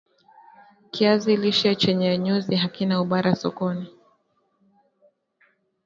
kiazi lishe chenye nyuzi hakina ubora sokoni